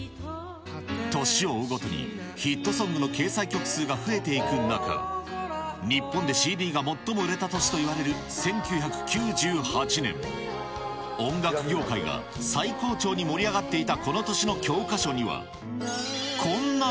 年を追うごとにヒットソングの掲載曲数が増えていく中、日本でＣＤが最も売れた年といわれる１９９８年、音楽業界が最高潮に盛り上がっていたこの年の教科書には、こんな